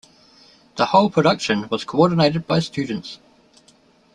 The whole production was coordinated by students.